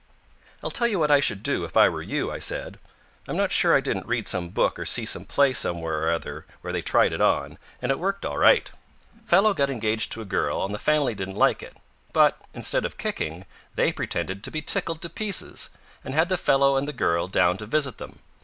"I'll tell you what I should do if I were you," I said. "I'm not sure I didn't read some book or see some play somewhere or other where they tried it on, and it worked all right. Fellow got engaged to a girl, and the family didn't like it, but, instead of kicking, they pretended to be tickled to pieces, and had the fellow and the girl down to visit them.